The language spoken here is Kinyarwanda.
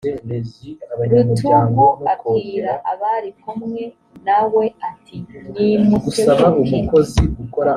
rutugu abwira abari kumwe na we ati nimutebuke